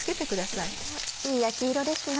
いい焼き色ですね。